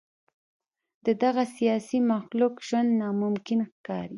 د دغه سیاسي مخلوق ژوند ناممکن ښکاري.